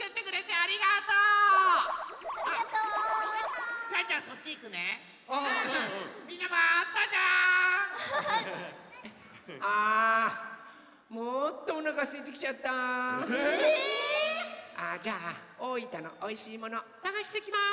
ああじゃあ大分のおいしいものさがしてきます！